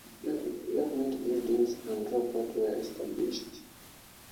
Government buildings and a law court were established.